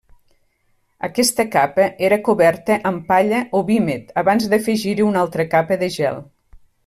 Aquesta capa era coberta amb palla o vímet abans d'afegir-hi una altra capa de gel.